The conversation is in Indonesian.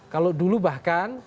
kalau dulu bahkan